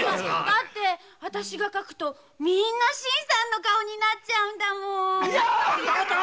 だってあたしが描くと新さんの顔になっちゃうんだもの。